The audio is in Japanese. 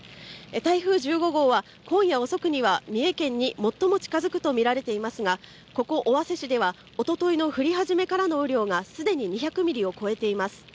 台風１５号は今夜遅くには三重県に最も近づくと見られていますがここ尾鷲市ではおとといの降り始めからの雨量がすでに２００ミリを超えています